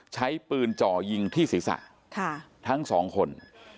ใช้ปืนจ่อยิงที่ศีรษะทั้งสองคน